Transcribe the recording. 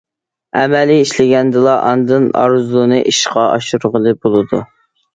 ئەمەلىي ئىشلىگەندىلا، ئاندىن ئارزۇنى ئىشقا ئاشۇرغىلى بولىدۇ.